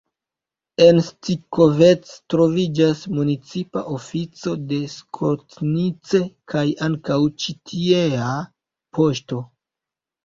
En Stikovec troviĝas municipa ofico de Skotnice kaj ankaŭ ĉi tiea poŝto.